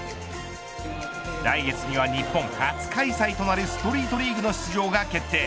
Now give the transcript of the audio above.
来月には日本初開催となるストリートリーグの出場が決定。